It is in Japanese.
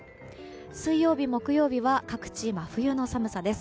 水曜日、木曜日は各地、真冬の寒さです。